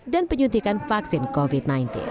dan penyuntikan vaksin covid sembilan belas